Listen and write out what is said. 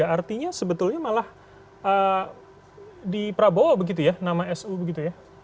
artinya sebetulnya malah di prabowo begitu ya nama nu begitu ya